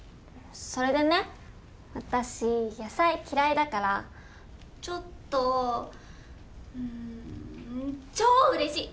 それでね私野菜嫌いだからちょっとうん超うれしい！